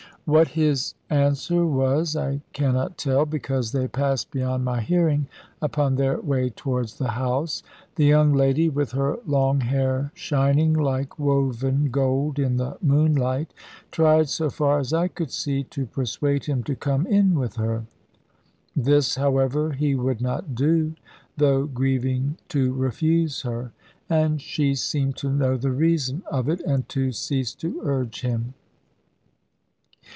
What his answer was I cannot tell, because they passed beyond my hearing upon their way towards the house. The young lady, with her long hair shining like woven gold in the moonlight, tried (so far as I could see) to persuade him to come in with her. This, however, he would not do, though grieving to refuse her; and she seemed to know the reason of it, and to cease to urge him.